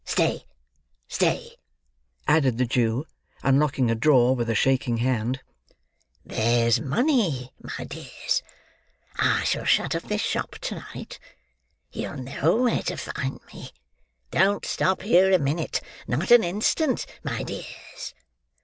Stay, stay," added the Jew, unlocking a drawer with a shaking hand; "there's money, my dears. I shall shut up this shop to night. You'll know where to find me! Don't stop here a minute. Not an instant, my dears!"